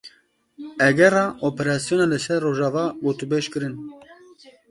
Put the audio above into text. Egera operasyona li ser Rojava gotûbêj kirin.